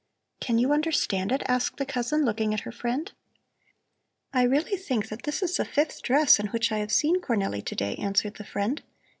"Can you understand it?" asked the cousin, looking at her friend. "I really think that this is the fifth dress in which I have seen Cornelli to day," answered the friend.